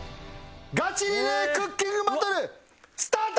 ガチリレークッキングバトルスタート！